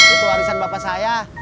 itu warisan bapak saya